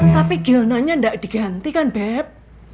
tapi gilnanya gak diganti kan beb